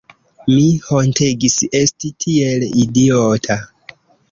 Mi hontegis esti tiel idiota.